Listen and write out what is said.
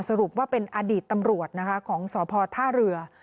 สรุปว่าเป็นอดีตตำรวจนะคะของสพท่าเรือ